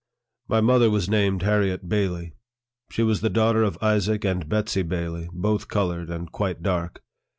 My mother was named Harriet Bailey. She was the daughter of Isaac and Betsey Bailey, both colored, and quite dark.